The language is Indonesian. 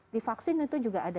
di vaksin itu juga ada